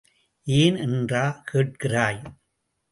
ஏன் என்றா கேட்கிறாய்?